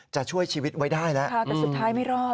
จะช่วยชีวิตไว้ได้แล้วค่ะแต่สุดท้ายไม่รอด